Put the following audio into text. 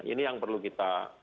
ini yang perlu kita